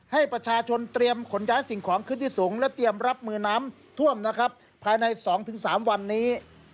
ให้ประชาชนเตรียมขนย้ายสิ่งของขึ้นที่สูงและเตรียมรับมือน้ำท่วมนะครับภายใน๒๓วันนี้